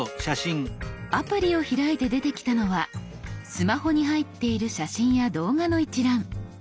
アプリを開いて出てきたのはスマホに入っている写真や動画の一覧。